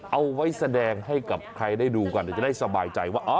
เอาไว้แสดงให้กับใครได้ดูกันเดี๋ยวจะได้สบายใจว่า